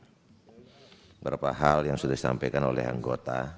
beberapa hal yang sudah disampaikan oleh anggota